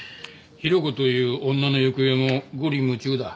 弘子という女の行方も五里霧中だ。